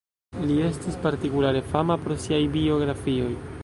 Li estis partikulare fama pro siaj biografioj.